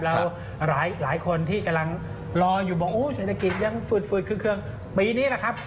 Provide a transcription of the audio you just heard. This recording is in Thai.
แล้วหลายคนที่กำลังรออยู่บอกโอ้เศรษฐกิจยังฝืดคือเครื่องปีนี้แหละครับ